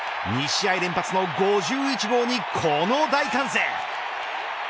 ２試合連発の５１号にこの大歓声。